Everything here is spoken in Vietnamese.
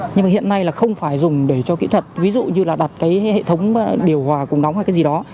nhưng mà hiện nay là không phải dùng để cho kỹ thuật ví dụ như là đặt cái hệ thống điều hòa cùng đóng hay cái gì đó